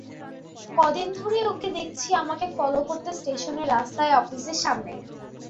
কদিন ধরেই ওকে দেখছি আমাকে ফলো করতে স্টেশনে, রাস্তায়, অফিসের সামনে